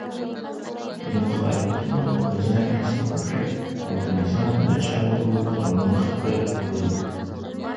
د مخالفتونو په ځای مرسته وکړئ او د نظام د چارو په مخته وړلو